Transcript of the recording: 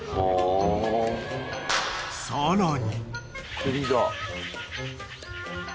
［さらに］